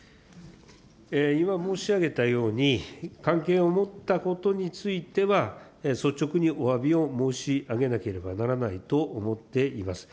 今申し上げたように、関係を持ったことについては、率直におわびを申し上げなければならないと思っています。